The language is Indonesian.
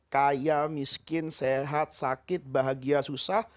kaya miskin sehat sakit bahagia susah